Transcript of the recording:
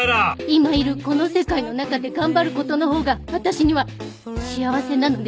今いるこの世界の中で頑張ることの方が私には幸せなのです。